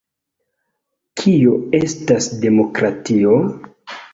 Kio estas demokratio?